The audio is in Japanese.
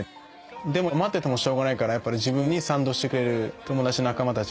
でも待っててもしょうがないから自分に賛同してくれる友達仲間たち